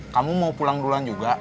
kamu mau pulang duluan juga